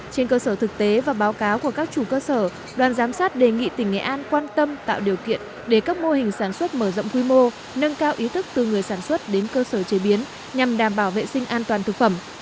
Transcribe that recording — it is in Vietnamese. trên cơ sở thực tế và báo cáo của các chủ cơ sở đoàn giám sát đề nghị tỉnh nghệ an quan tâm tạo điều kiện để các mô hình sản xuất mở rộng quy mô nâng cao ý thức từ người sản xuất đến cơ sở chế biến nhằm đảm bảo vệ sinh an toàn thực phẩm